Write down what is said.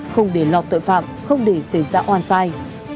không để lọt tội phạm không để xảy ra oan sai